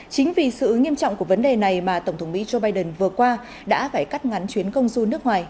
chính vì sự nghiêm trọng của vấn đề này mà tổng thống mỹ joe biden vừa qua đã phải cắt ngắn chuyến công du nước ngoài